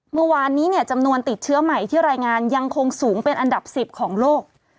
เมื่อวานนี้เนี่ยจำนวนติดเชื้อใหม่ที่รายงานยังคงสูงเป็นอันดับ๑๐ของโลก